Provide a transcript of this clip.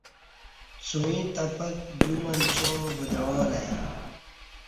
څوعیں تپک دیو منچاں وَدعالہ ای